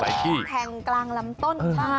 ปกติจะต้องแทงกลางลำต้น